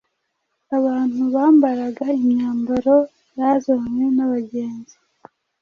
abantu bambaraga imyambaro yazanywe n’abagenzi